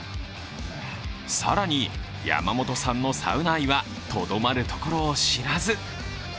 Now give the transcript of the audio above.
更に山本さんのサウナ愛はとどまるところを知らず。